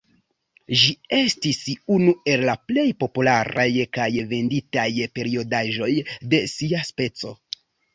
Ĝi estis unu el la plej popularaj kaj venditaj periodaĵoj de sia speco.